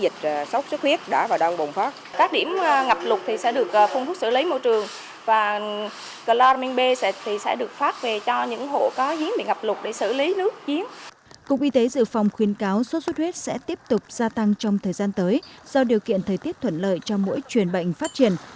cục y tế dự phòng khuyến cáo sốt xuất huyết sẽ tiếp tục gia tăng trong thời gian tới do điều kiện thời tiết thuận lợi cho mỗi truyền bệnh phát triển